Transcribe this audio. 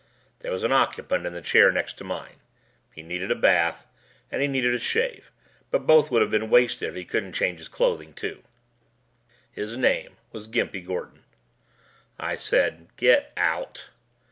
There was an occupant in the chair next to mine. He needed a bath and he needed a shave but both would have been wasted if he couldn't change his clothing, too. His name was Gimpy Gordon. I said, "Get out!"